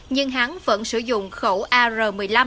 nhưng hắn vẫn sử dụng khẩu ar một mươi năm